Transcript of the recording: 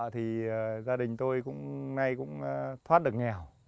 thì gia đình tôi cũng nay cũng thoát được nghèo